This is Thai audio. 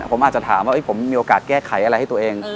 ผมอาจจะถามว่าผมมีโอกาสแก้ไขอะไรให้ตัวเอง